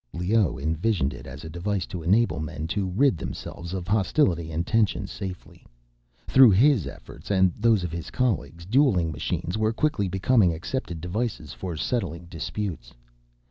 Leoh envisioned it as a device to enable men to rid themselves of hostility and tension safely. Through his efforts, and those of his colleagues, dueling machines were quickly becoming accepted as devices for settling disputes.